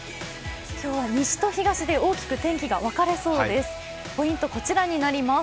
今日は西と東で大きく天気が分かれそうです。